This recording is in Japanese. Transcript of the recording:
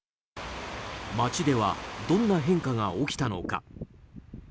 街ではどんな変化が起きたのか？